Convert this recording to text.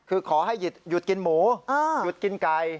คือขอให้หยุดกินหมูหยุดกินไก่